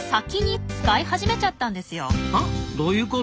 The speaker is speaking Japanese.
は？どういうこと？